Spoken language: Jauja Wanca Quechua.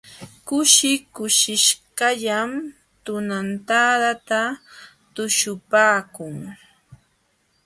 Kushi kushishqallam tunantadata tuśhupaakun.